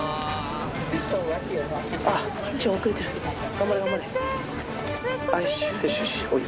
頑張れ頑張れ。